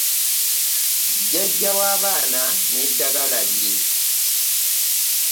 Jjaja w'abana n'eddaggala lye.